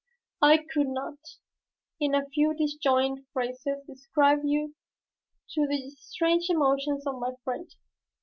I could not, in a few disjointed phrases describe to you the strange emotions of my friend.